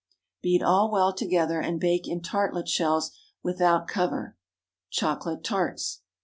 Beat all well together, and bake in tartlet shells without cover. CHOCOLATE TARTS.